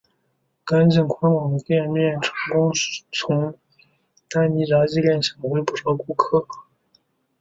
干净宽广的店面成功从丹尼炸鸡店抢回不少顾客。